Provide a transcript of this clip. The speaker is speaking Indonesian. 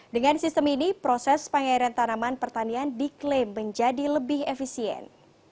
dengan sistem ini proses pengairan tanaman pertanian diklaim menjadi lebih efisien